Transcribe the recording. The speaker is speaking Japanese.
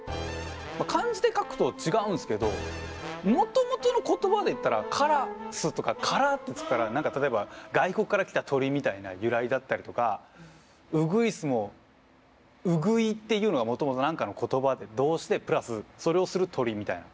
漢字で書くと違うんですけどもともとの言葉で言ったらカラスとかカラって付くから何か例えば外国から来た鳥みたいな由来だったりとかウグイスもうぐいっていうのがもともと何かの言葉で動詞でプラスそれをする鳥みたいな。